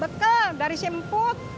bekel dari simput